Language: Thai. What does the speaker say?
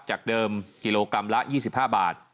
จากเดิมกิโลกรัมละ๒๕บาท